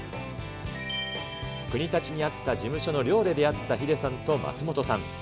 国立にあった事務所の事務所の寮で出会ったヒデさんと松本さん。